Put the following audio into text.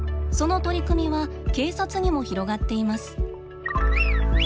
その取り組みは警察にも広がっています。